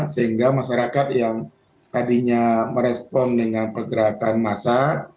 sehingga masyarakat yang tadinya merespon dengan pergerakan masa